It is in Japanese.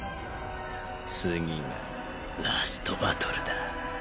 次がラストバトルだ。